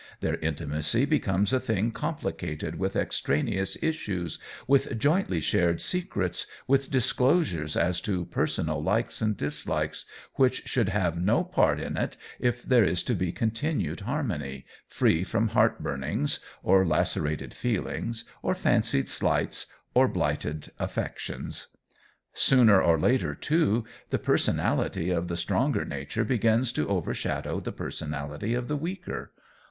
Their intimacy becomes a thing complicated with extraneous issues, with jointly shared secrets, with disclosures as to personal likes and dislikes, which should have no part in it if there is to be continued harmony, free from heart burnings or lacerated feelings, or fancied slights or blighted affections. Sooner or later, too, the personality of the stronger nature begins to overshadow the personality of the weaker.